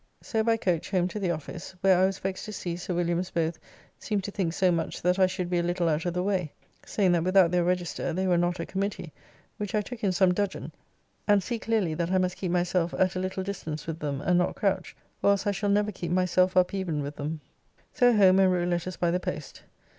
So by coach home to the office, where I was vexed to see Sir Williams both seem to think so much that I should be a little out of the way, saying that without their Register they were not a Committee, which I took in some dudgeon, and see clearly that I must keep myself at a little distance with them and not crouch, or else I shall never keep myself up even with them. So home and wrote letters by the post.